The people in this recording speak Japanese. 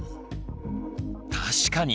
確かに！